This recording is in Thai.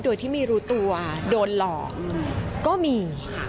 โดยที่ไม่รู้ตัวโดนหลอกก็มี